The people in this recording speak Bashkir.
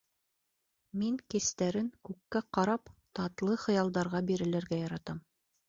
Мин кистәрен, күккә ҡарап, татлы хыялдарға бирелергә яратам.